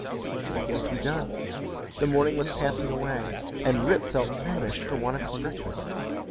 What was to be done? the morning was passing away, and Rip felt famished for want of his breakfast.